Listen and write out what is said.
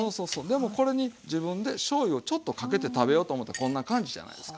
でもこれに自分でしょうゆをちょっとかけて食べよと思ったらこんな感じじゃないですか。